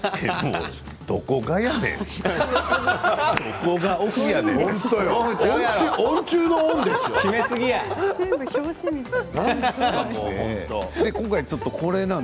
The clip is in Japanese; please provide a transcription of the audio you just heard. どこがやねん。